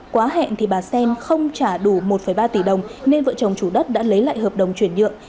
quá hẹn bà xen không trả đủ một ba tỷ đồng nên vợ chồng chủ đất đã lấy lại hợp đồng chuyển nhượng